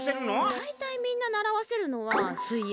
だいたいみんなならわせるのは水泳。